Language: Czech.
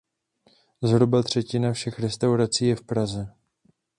Zhruba třetina všech restaurací je v Praze.